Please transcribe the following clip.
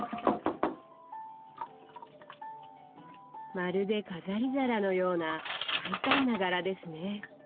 まるで飾り皿のような大胆な柄ですね。